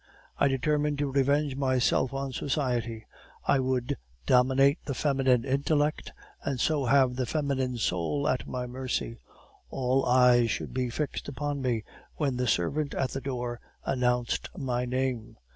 I determined to revenge myself on society; I would dominate the feminine intellect, and so have the feminine soul at my mercy; all eyes should be fixed upon me, when the servant at the door announced my name.